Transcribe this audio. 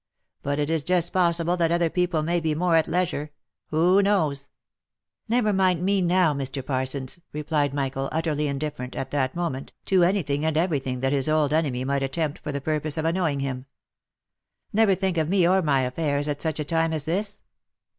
But it is just possible that other people may be more at leisure. Who knows V " Never mind me now, Mr. Parsons," replied Michael, utterly in different, at that moment, to any thing, and every thing, that his old enemy might attempt for the purpose of annoying him. " Never think of me or my affairs, at such a time as this.